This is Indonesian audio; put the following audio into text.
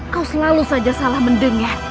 kau selalu saja salah mendengar